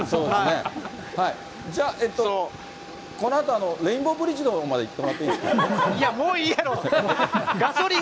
じゃあ、このあとレインボーブリッジのほうまで行ってもらっていいですかいや、もういいやろ。